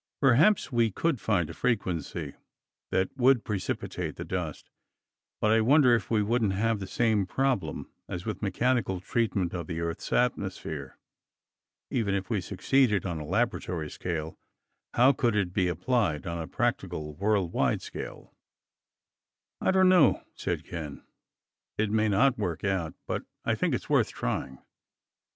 Perhaps we could find a frequency that would precipitate the dust, but I wonder if we wouldn't have the same problem as with mechanical treatment of the Earth's atmosphere. Even if we succeeded on a laboratory scale, how could it be applied on a practical, worldwide scale?" "I don't know," said Ken. "It may not work out, but I think it's worth trying."